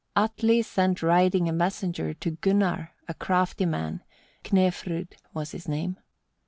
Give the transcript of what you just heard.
1. Atli sent riding a messenger to Gunnar, a crafty man, Knefrud was his name.